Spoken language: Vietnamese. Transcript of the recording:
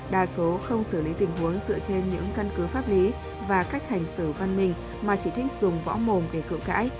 đa số không xử lý tình huống dựa trên những căn cứ pháp lý và cách hành xử văn minh mà chỉ thích dùng võ mồm để cự cãi